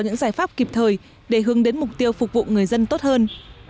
những giải pháp kịp thời để hướng đến mục tiêu phục vụ người dân tốt hơn